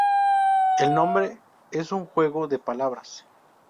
El nombre es un juego de palabras.